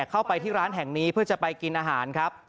เข้าไปที่ร้านแห่งนี้เพื่อจะไปกินอาหารครับ